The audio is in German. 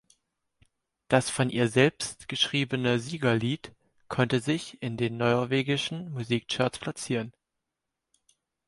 Das von ihr selbst geschriebene Siegerlied konnte sich in den norwegischen Musikcharts platzieren.